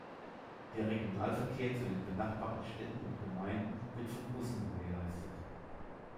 Der Regionalverkehr zu den benachbarten Städten und Gemeinden wird von Bussen gewährleistet.